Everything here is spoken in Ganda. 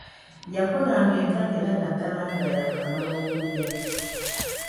Yakolanga entakera naddala nga yaakamala okulya.